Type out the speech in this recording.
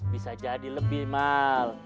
bisa jadi lebih mal